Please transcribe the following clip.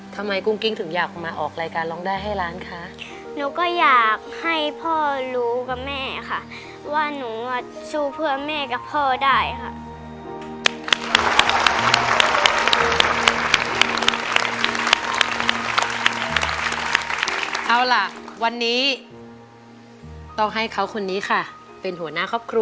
ทำไมกุ้งกิ้งถึงอยากมาออกรายการร้องได้ให้ร้านค่ะหนูก็อยากให้พ่อรู้กับแม่ค่ะ